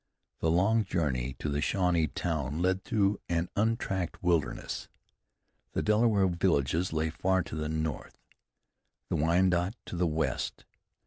The long journey to the Shawnee town led through an untracked wilderness. The Delaware villages lay far to the north; the Wyandot to the west.